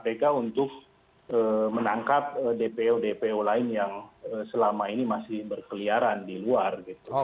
kpk untuk menangkap dpo dpo lain yang selama ini masih berkeliaran di luar gitu